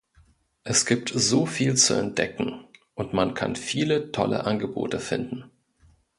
Es gibt so viel zu entdecken und man kann viele tolle Angebote finden.